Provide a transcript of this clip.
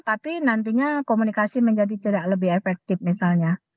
tapi nantinya komunikasi menjadi tidak lebih efektif misalnya